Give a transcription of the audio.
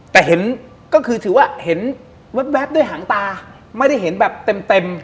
แต่เห็นก็คือถือว่าเห็นแว๊บด้วยหางตาไม่ได้เห็นแบบเต็มเต็ม